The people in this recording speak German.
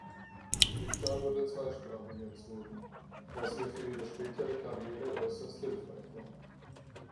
Rita wurde zweisprachig erzogen, was ihr für ihre spätere Karriere äußerst hilfreich war.